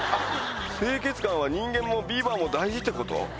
清潔感は人間もビーバーも大事ってこと？